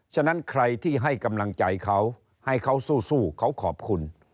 ฉะนั้นใครที่ให้กำลังใจเขาให้เขาสู้เขาขอบคุณ